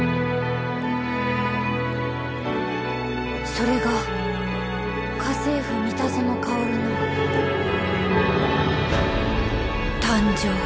それが家政夫三田園薫の誕生。